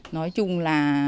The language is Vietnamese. nói chung là